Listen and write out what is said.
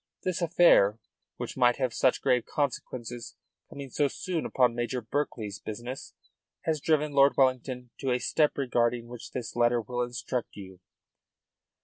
This affair, which might have had such grave consequences, coming so soon upon the heels of Major Berkeley's business, has driven Lord Wellington to a step regarding which this letter will instruct you."